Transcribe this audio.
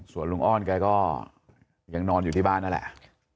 ส่วนลุงอ้อนแกก็ยังนอนอยู่ที่บ้านนั่นแหละ